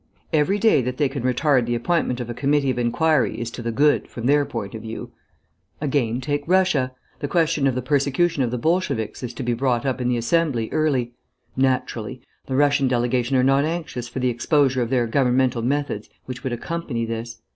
Every day that they can retard the appointment of a committee of inquiry is to the good, from their point of view. "Again, take Russia. The question of the persecution of the Bolsheviks is to be brought up in the Assembly early. Naturally the Russian delegation are not anxious for the exposure of their governmental methods which would accompany this.